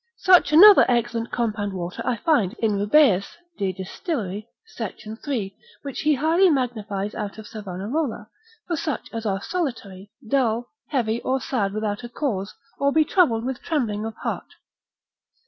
Such another excellent compound water I find in Rubeus de distill. sect. 3. which he highly magnifies out of Savanarola, for such as are solitary, dull, heavy or sad without a cause, or be troubled with trembling of heart.